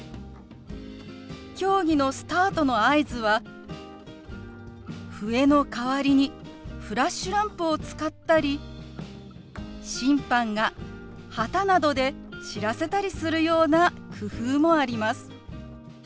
競技のスタートの合図は笛の代わりにフラッシュランプを使ったり審判が旗などで知らせたりするような工夫もあります。